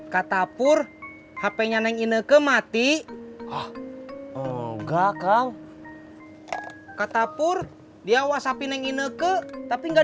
katapur hpnya neng ini ke mati enggak kang katapur dia whatsapp ini ke tapi nggak